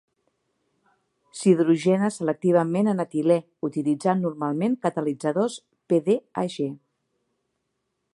S'hidrogena selectivament en etilè, utilitzant normalment catalitzadors Pd-Ag.